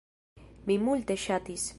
Mi multe ŝatis.